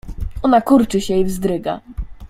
"Ona kurczy się i wzdryga."